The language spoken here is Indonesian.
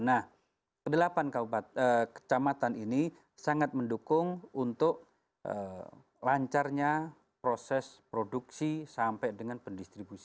nah kedelapan kecamatan ini sangat mendukung untuk lancarnya proses produksi sampai dengan pendistribusi